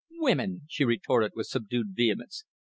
"Women!" she retorted, with subdued vehemence.